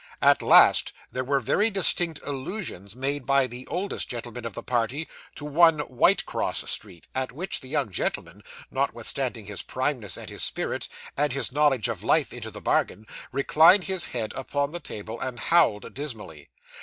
At last, there were very distinct allusions made by the oldest gentleman of the party to one Whitecross Street, at which the young gentleman, notwithstanding his primeness and his spirit, and his knowledge of life into the bargain, reclined his head upon the table, and howled dismally.